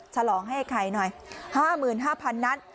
ฉลองให้ไข่หน่อย๕๕๐๐๐นั้น